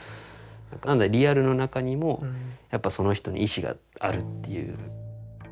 なのでリアルの中にもやっぱその人に意思があるっていう。